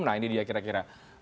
nah ini dia kira kira